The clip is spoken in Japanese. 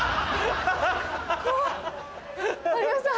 有吉さん